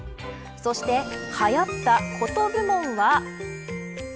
そして、はやったコト部門は。